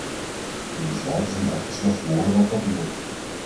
De besluiten zijn echter slechts woorden op papier.